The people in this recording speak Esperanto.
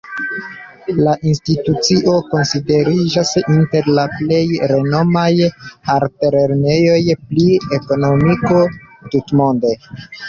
La institucio konsideriĝas inter la plej renomaj altlernejoj pri ekonomiko tutmonde.